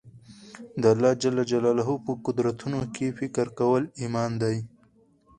د الله جل جلاله په قدرتونو کښي فکر کول ایمان دئ.